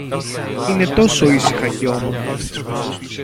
Είναι τόσο ήσυχα και όμορφα!